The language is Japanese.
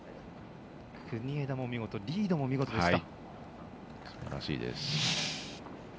国枝も見事リードも見事でした。